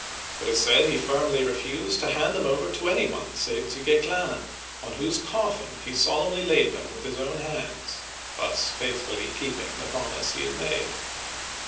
It is said he firmly refused to hand them over to any one save Du Guesclin, on whose coffin he solemnly laid them with his own hands, thus faithfully keeping the promise he had made.